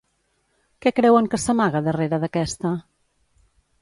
Què creuen que s'amaga darrere d'aquesta?